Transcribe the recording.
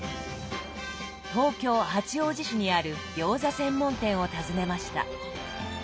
東京・八王子市にある餃子専門店を訪ねました。